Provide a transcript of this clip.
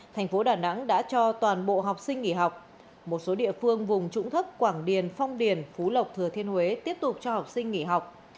thành phố đà nẵng đã cho toàn bộ học sinh nghỉ học một số địa phương vùng trũng thấp quảng điền phong điền phú lộc thừa thiên huế tiếp tục cho học sinh nghỉ học